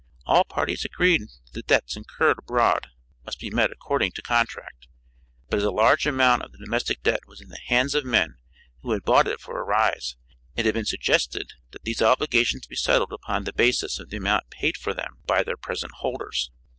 All parties agreed that the debts incurred abroad must be met according to contract, but as a large amount of the domestic debt was in the hands of men who had bought it for a rise it had been suggested that these obligations be settled upon the basis of the amount paid for them by their present holders.